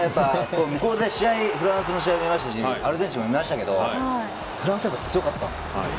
フランスの試合も見たしアルゼンチンも見ましたけどフランスが強かったんですよ。